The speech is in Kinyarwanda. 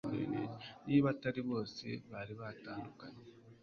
niba atari bose, bari baratandukanye